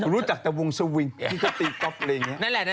รู้จักตะวงสวิงที่เขาตีก๊อบอะไรแบบนี้